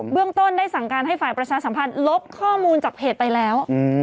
เรื่องต้นได้สั่งการให้ฝ่ายประชาสัมพันธ์ลบข้อมูลจากเพจไปแล้ว